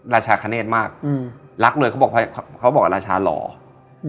ราชาคเนธมากอืมรักเลยเขาบอกเขาบอกราชาหล่ออืม